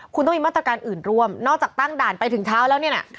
คุณต้องมีมาตรการอื่นร่วมนอกจากตั้งด่านไปถึงเท้าแล้วเนี่ย